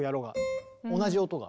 同じ音が。